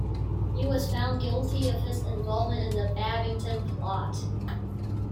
He was found guilty of his involvement in the Babington plot.